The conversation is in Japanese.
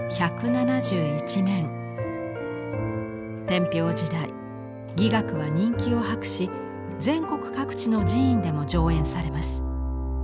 天平時代伎楽は人気を博し全国各地の寺院でも上演されます。